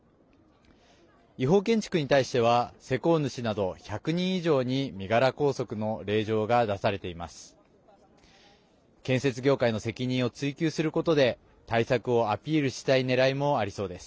違法建築に対しては、施工主など１００人以上に身柄拘束の令状が出されています。